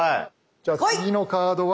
じゃあ次のカードは。